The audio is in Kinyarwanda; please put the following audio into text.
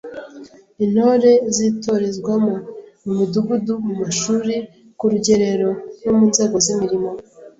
Intore zitorezwamo; mu Midugudu, mumashuri, ku rugerero no mu nzego z’imirimo